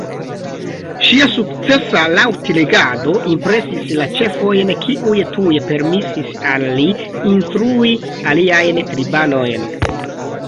Ŝia sukcesa laŭtlegado impresis la ĉefojn kiuj tuj permesis al li instrui aliajn tribanojn